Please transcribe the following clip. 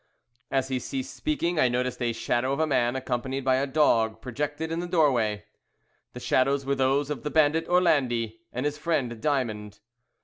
As he ceased speaking, I noticed a shadow of a man accompanied by a dog projected in the doorway. The shadows were those of the bandit Orlandi and his friend Diamond.